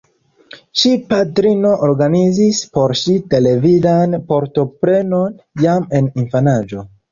Ŝi patrino organizis por ŝi televidan partoprenon jam en infanaĝo.